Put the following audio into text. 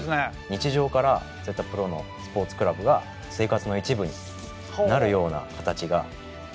日常からそういったプロのスポーツクラブが生活の一部になるような形が理想。